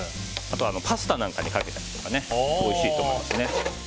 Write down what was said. あとはパスタなんかにかけてもおいしいと思いますよ。